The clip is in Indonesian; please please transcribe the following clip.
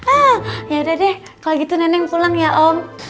ah yaudah deh kalau gitu nenek pulang ya om